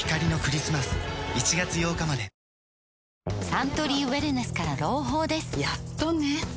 サントリーウエルネスから朗報ですやっとね